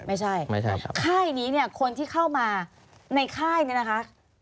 ไม่ใช่ไม่ใช่ครับค่ายนี้เนี้ยคนที่เข้ามาในค่ายนี้นะคะ